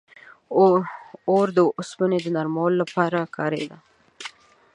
• اور د اوسپنې د نرمولو لپاره کارېده.